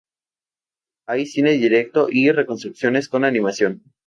Hay cine directo y reconstrucciones con animación.